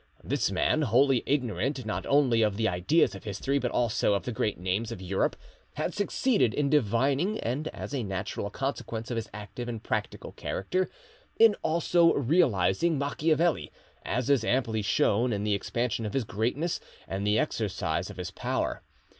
This man, wholly ignorant, not only of the ideas of history but also of the great names of Europe, had succeeded in divining, and as a natural consequence of his active and practical character, in also realising Macchiavelli, as is amply shown in the expansion of his greatness and the exercise of his power.